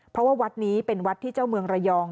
เพราะว่าวัดนี้เป็นวัดที่เจ้าเมืองระยอง